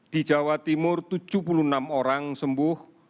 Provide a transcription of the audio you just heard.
di jawa timur tujuh puluh enam orang sembuh